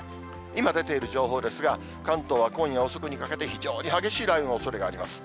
今出ている情報ですが、関東は今夜遅くにかけて、非常に激しい雷雨のおそれがあります。